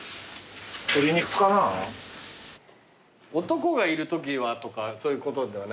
男がいるときはとかそういうことではないんですか？